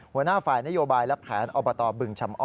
หัวหน้าฝ่ายนโยบายและแผนอบตบึงชำอ้อ